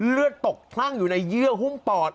เลือดตกคลั่งอยู่ในเยื่อหุ้มปอด